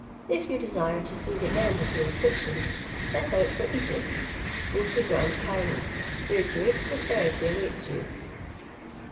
If you desire to see the end of your affliction, set out for Egypt, go to Grand Cairo, where great prosperity awaits you."